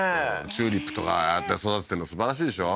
チューリップとかああやって育ててんのすばらしいでしょ？